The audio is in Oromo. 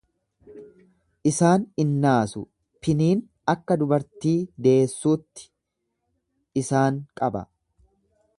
Isaan in naasu, piniin akka dubartii deessuutti isaan qaba.